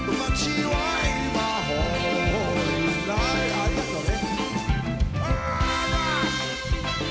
ありがとね。